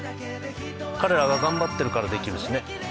彼らが頑張ってるからできるしね。